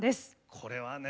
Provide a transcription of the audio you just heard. これはね